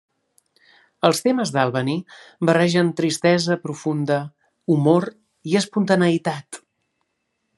Els temes d'Albany barregen tristesa profunda, humor i espontaneïtat.